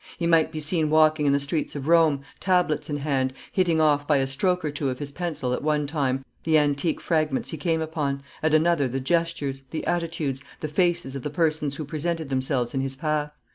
He might be seen walking in the streets of Rome, tablets in hand, hitting off by a stroke or two of his pencil at one time the antique fragments he came upon, at another the gestures, the attitudes, the faces of the persons who presented themselves in his path.